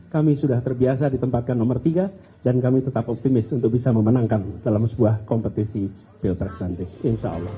kami sudah terbiasa ditempatkan nomor tiga dan kami tetap optimis untuk bisa memenangkan dalam sebuah kompetisi pilpres nanti insya allah